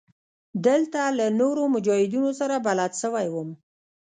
دلته له نورو مجاهدينو سره بلد سوى وم.